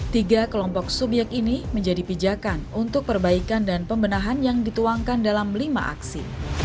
tiga kelompok subyek ini menjadi pijakan untuk perbaikan dan pembenahan yang dituangkan dalam lima aksi